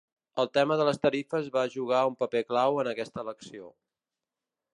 El tema de les tarifes va jugar un paper clau en aquesta elecció.